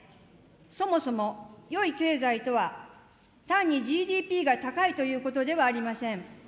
そもそもよい経済とは、単にＧＤＰが高いということではありません。